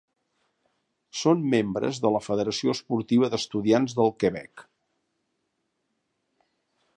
Són membres de la Federació Esportiva d'Estudiants del Quebec.